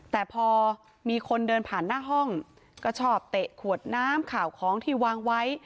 แต่พอมีคนเดินผ่านหน้าห้องก็ชอบเตะขวดน้ำข่าวของที่วางไว้